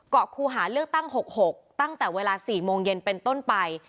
ครูหาเลือกตั้ง๖๖ตั้งแต่เวลา๔โมงเย็นเป็นต้นไป